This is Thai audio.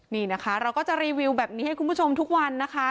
นี่นะคะเราก็จะรีวิวแบบนี้ให้คุณผู้ชมทุกวันนะคะ